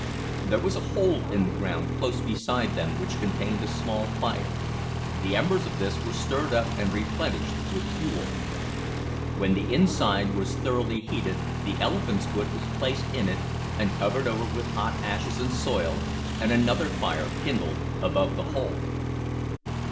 There was a hole in the ground close beside them which contained a small fire; the embers of this were stirred up and replenished with fuel. When the inside was thoroughly heated, the elephant's foot was placed in it, and covered over with hot ashes and soil, and another fire kindled above the whole.